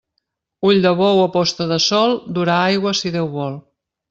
Ull de bou a posta de sol durà aigua si Déu vol.